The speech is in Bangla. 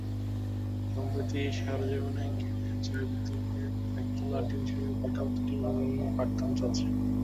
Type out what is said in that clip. সম্প্রতি সরেজমিনে গিয়ে দেখা যায়, বিদ্যালয়ের একতলা টিনশেডের পাকা দুটি ভবনে পাঠদান চলছে।